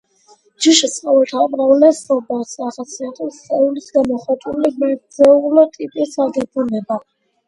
ჯიშის ცხოველთა უმრავლესობას ახასიათებს სხეულის გამოხატული მერძეული ტიპის აგებულება.